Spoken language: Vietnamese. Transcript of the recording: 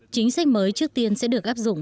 chính sách mới trước tiên sẽ được áp dụng